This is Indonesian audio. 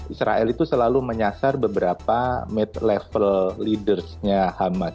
israel itu selalu menyasar beberapa level leadersnya hamas